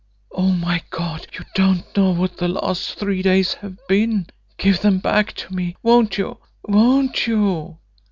Oh, my God, you don't know what the last three days have been! Give them back to me, won't you won't you?